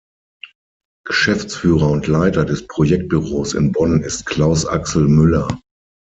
Geschäftsführer und Leiter des Projektbüros in Bonn ist Claus Axel Müller.